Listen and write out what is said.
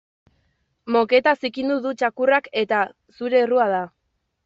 Moketa zikindu du txakurrak eta zure errua da.